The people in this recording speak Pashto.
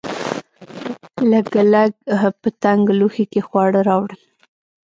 لګلګ په تنګ لوښي کې خواړه راوړل.